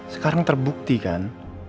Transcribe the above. sekarang terbukti kan